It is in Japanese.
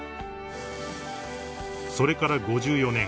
［それから５４年］